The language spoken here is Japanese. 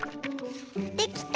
できた！